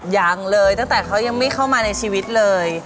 ยังเลยตั้งแต่เขายังไม่เข้ามาในชีวิตเลย